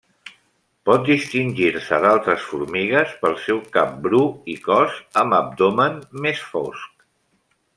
Pot distingir-se d'altres formigues pel seu cap bru i cos amb abdomen més fosc.